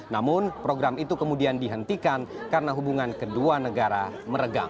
namun program itu kemudian dihentikan karena hubungan kedua negara meregang